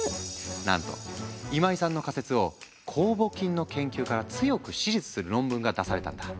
なんと今井さんの仮説を酵母菌の研究から強く支持する論文が出されたんだ。